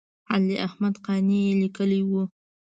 علي احمد قانع یې لیکلی و.